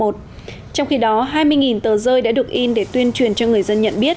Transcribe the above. trong khi đó hai mươi tờ rơi đã được in để tuyên truyền cho người dân nhận biết